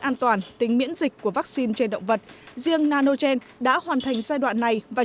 an toàn tính miễn dịch của vaccine trên động vật riêng nanogen đã hoàn thành giai đoạn này và